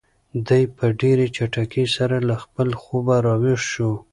دی په ډېرې چټکۍ سره له خپل خوبه را ویښ شو.